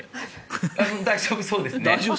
大丈夫そうです。